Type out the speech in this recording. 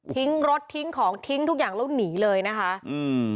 ทิ้งรถทิ้งของทิ้งทุกอย่างแล้วหนีเลยนะคะอืม